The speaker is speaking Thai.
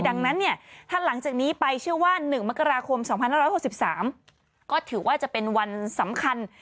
ดังนั้นเนี่ยถ้าหลังจากนี้ไปเชื่อว่า๑มกราคม๒๕๖๓ก็ถือว่าจะเป็นวันสำคัญ